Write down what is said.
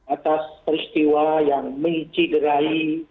atas peristiwa yang menciderai